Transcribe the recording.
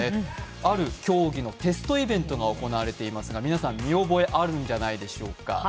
ある競技のテストイベントが行われていますが皆さん、見覚えあるんじゃないでしょうか。